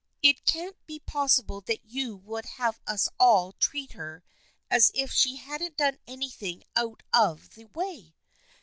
" It can't be possible that you would have us all treat her as if she hadn't done anything out of the way